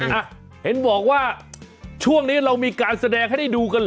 อ่ะเห็นบอกว่าช่วงนี้เรามีการแสดงให้ได้ดูกันเหรอ